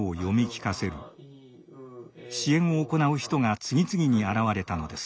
支援を行う人が次々に現れたのです。